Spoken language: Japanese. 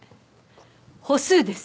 歩数です。